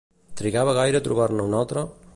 Trigava gaire a trobar-ne un altre?